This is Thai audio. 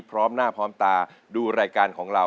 พร้อมหน้าพร้อมตาดูรายการของเรา